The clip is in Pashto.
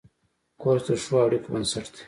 کورس د ښو اړیکو بنسټ دی.